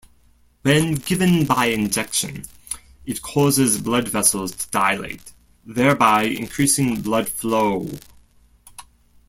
When given by injection it causes blood vessels to dilate, thereby increasing blood flow.